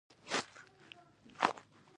د محصول ښکلا د پیرودونکي نظر بدلونوي.